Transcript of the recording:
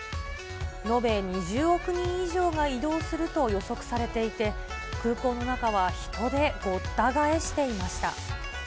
延べ２０億人以上が移動すると予測されていて、空港の中は、人でごった返していました。